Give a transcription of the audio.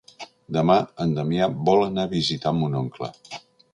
Demà en Damià vol anar a visitar mon oncle.